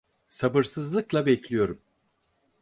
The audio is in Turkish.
Sabırsızlıkla bekliyorum.